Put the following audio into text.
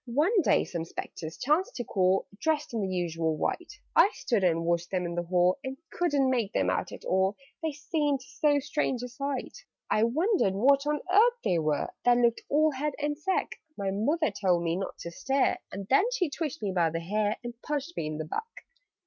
"One day, some Spectres chanced to call, Dressed in the usual white: I stood and watched them in the hall, And couldn't make them out at all, They seemed so strange a sight. "I wondered what on earth they were, That looked all head and sack; But Mother told me not to stare, And then she twitched me by the hair, And punched me in the back.